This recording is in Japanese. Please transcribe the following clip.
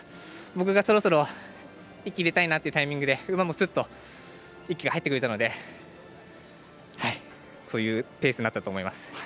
僕が、そろそろ息入れたいなというところで馬も、すっと息が入ってくれたのでそういうペースになったと思います。